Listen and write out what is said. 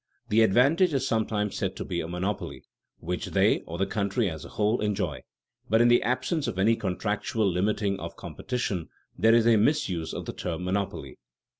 The advantage is sometimes said to be a "monopoly" which they, or the country as a whole, enjoy; but in the absence of any contractual limiting of competition, this is a misuse of the term monopoly.